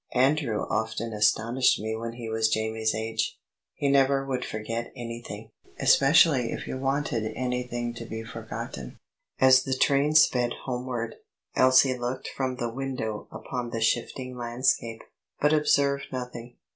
Andrew often astonished me when he was Jamie's age. He never would forget anything, especially if you wanted anything to be forgotten." As the train sped homeward, Elsie looked from the window upon the shifting landscape, but observed nothing.